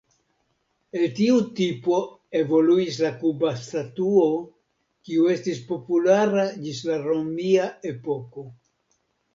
El tiu tipo evoluis la kuba statuo, kiu estis populara ĝis la romia epoko.